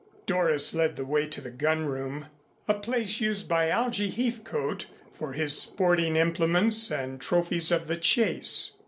Doris led the way to the gun room, a place used by Algie Heathcote for his sporting implements and trophies of the chase.